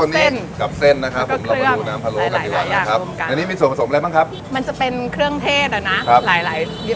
น้ำพะโล้ตัวนี้